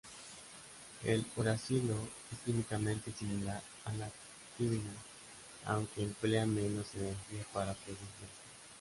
El uracilo es químicamente similar a la timina, aunque emplea menos energía para producirse.